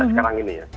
sekarang ini ya